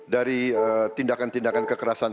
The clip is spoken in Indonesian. dari tindakan tindakan kekerasan